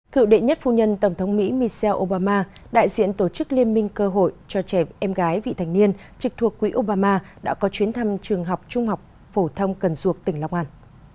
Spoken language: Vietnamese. cựu đệ nhất phu nhân tổng thống mỹ michelle obama đại diện tổ chức liên minh cơ hội cho trẻ em gái vị thành niên trực thuộc quỹ obama đã có chuyến thăm trường học trung học phổ thông cần duộc tỉnh long an